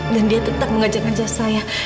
dan dia tetap mengajak ajak saya